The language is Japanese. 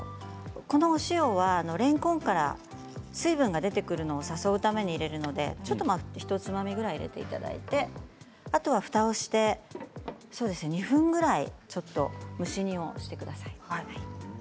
この塩はれんこんから水分が出てくるのを誘うために入れるのでひとつまみぐらい入れていただいてあとはふたをして２分ぐらいちょっと蒸し煮をしてください。